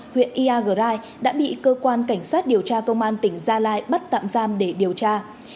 huyện iagrai đã bị cơ quan cảnh sát điều tra công an tỉnh gia lai bắt tạm giam để điều tra